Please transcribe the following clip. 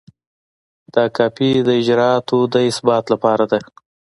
دا کاپي د اجرااتو د اثبات لپاره ده.